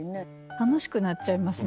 楽しくなっちゃいますね